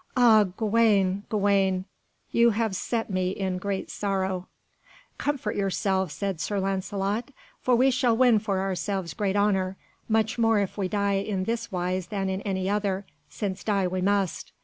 "Ah, Gawaine, Gawaine! you have set me in great sorrow." "Comfort yourself," said Sir Lancelot, "for we shall win for ourselves great honour, much more if we die in this wise than in any other, since die we must."